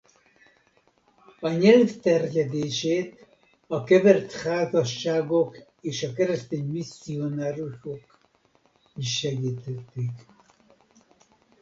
A nyelv terjedését a kevert házasságok és a keresztény misszionáriusok is segítették.